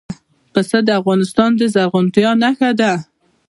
پسه د افغانستان د زرغونتیا نښه ده.